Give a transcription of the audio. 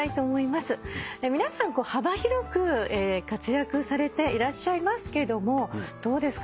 幅広く活躍されていらっしゃいますけどもどうですか？